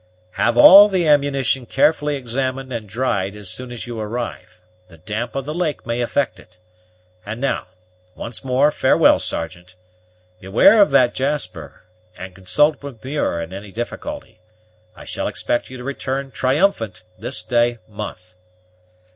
"Have all the ammunition carefully examined and dried as soon as you arrive; the damp of the lake may affect it. And now, once more, farewell, Sergeant. Beware of that Jasper, and consult with Muir in any difficulty. I shall expect you to return, triumphant, this day month."